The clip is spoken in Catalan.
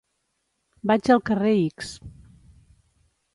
Vaig al carrer X.